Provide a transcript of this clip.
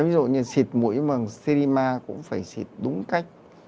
ví dụ như xịt mũi bằng serima cũng phải xịt đúng cách